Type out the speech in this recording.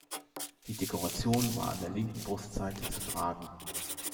Die Dekoration war an der linken Brustseite zu tragen.